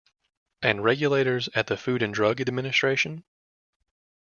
And regulators at the Food and Drug Administration?